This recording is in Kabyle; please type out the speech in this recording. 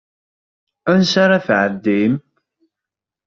Ansa ara tɛeddim?